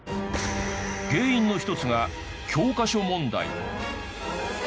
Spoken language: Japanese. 原因の一つが教科書問題。